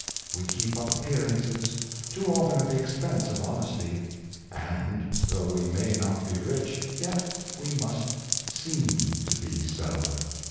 We keep up appearances, too often at the expense of hon esty; and, though we may not be rich, yet we must seem to be so.